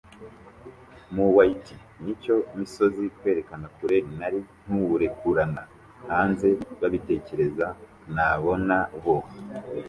Mu white- nicyo misozi kwerekana kure, nari Ntuwurekurana hanze babitekereza nabona bo,